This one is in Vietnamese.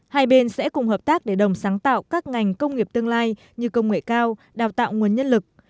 hai bên sẽ cùng hợp tác để đồng sáng tạo các ngành công nghiệp tương lai như công nghệ cao đào tạo nguồn nhân lực